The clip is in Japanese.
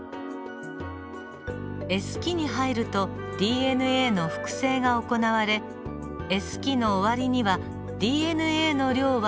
Ｓ期に入るとＤＮＡの複製が行われＳ期の終わりにはＤＮＡの量は２倍になります。